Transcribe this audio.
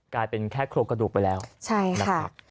กลายเป็นแค่โครงกระดูกไปแล้วนะครับ